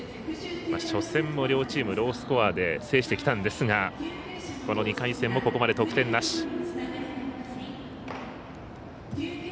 初戦も両チーム、ロースコアで制してきたんですがこの２回戦も、ここまで得点なし。